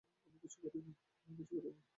আমি কিছু করিনি!